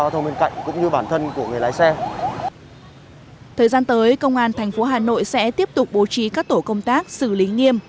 thời gian tới công an thành phố hà nội sẽ tiếp tục bố trí các tổ công tác xử lý nghiêm